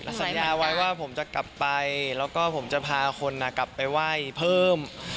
สัญญาไว้ว่าผมจะกลับไปแล้วก็ผมจะพาคนกลับไปไหว้เพิ่ม